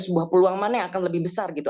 sebuah peluang mana yang akan lebih besar gitu